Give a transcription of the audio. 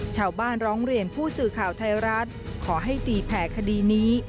ชาวบ้านร้องเรียนผู้สื่อข่าวไทยรัฐขอให้ตีแผ่คดีนี้